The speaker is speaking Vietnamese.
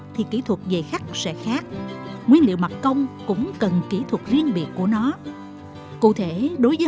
thì kỹ thuật dày khắc sẽ khác nguyên liệu mặt công cũng cần kỹ thuật riêng biệt của nó cụ thể đối với